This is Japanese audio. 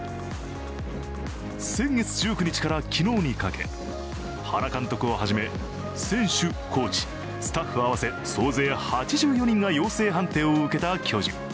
先月１９日から昨日にかけ原監督をはじめ選手、コーチ、スタッフ合わせ総勢８４人が陽性判定を受けた巨人。